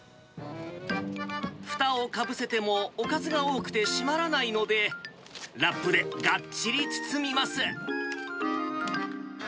ふたをかぶせてもおかずが多くて閉まらないので、ラップでがっちり包みます。